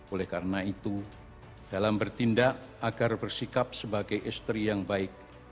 oleh karena itu dalam bertindak agar bersikap sebagai istri yang baik